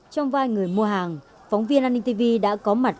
trong vai người mua hàng phóng viên anntv đã có mặt